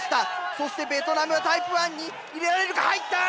そしてベトナムタイプ１に入れられるか⁉入った！